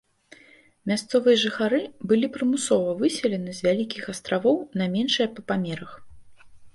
Мясцовыя жыхары былі прымусова выселены з вялікіх астравоў на меншыя па памерах.